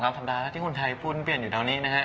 ประมาณสัก๒๓สัปดาห์แล้วที่คนไทยพูดเปลี่ยนอยู่แถวนี้นะครับ